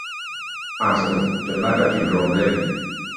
อ่านสนุก จนน่าจะพิมพ์รวมเล่ม